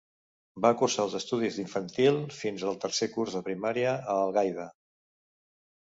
Va cursar els estudis d'infantil fins al tercer curs de primària a Algaida.